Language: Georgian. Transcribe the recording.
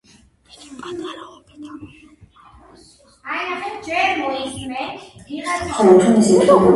იგი პატარაობიდანვე იყო მაღალი და ამით დომინირებდა სხვა მოთამაშეებზე.